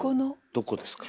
どこですか？